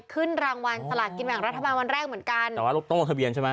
ขึ้นรางวัลสลากกินแบ่งรัฐบาลวันแรกเหมือนกันแต่ว่ารถต้องลงทะเบียนใช่ไหม